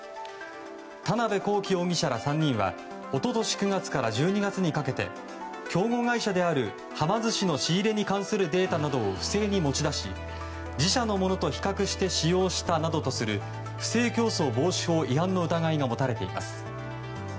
田邊公己容疑者ら３人は一昨年９月から１２月にかけて競合会社であるはま寿司の仕入れに関するデータなどを不正に持ち出し自社のものと比較して使用したなどとする不正競争防止法違反の疑いが持たれています。